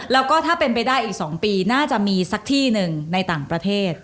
แล้วก็ถ้าเป็นไปได้อีก๒ปีน่าจะมีสักที่หนึ่งในต่างประเทศ